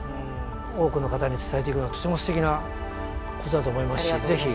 多くの方に伝えていくのはとてもすてきなことだと思いますしぜひ。